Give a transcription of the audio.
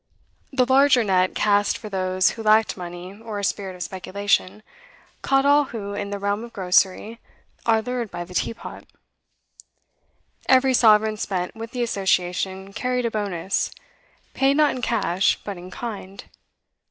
The larger net, cast for those who lacked money or a spirit of speculation, caught all who, in the realm of grocery, are lured by the teapot. Every sovereign spent with the Association carried a bonus, paid not in cash but in kind.